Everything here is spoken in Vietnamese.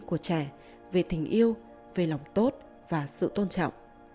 của trẻ về tình yêu về lòng tốt và sự tôn trọng